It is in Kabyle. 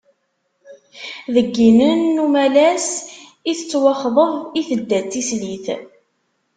Deg yinen n umalas i tettwaxḍeb, i tedda d tislit.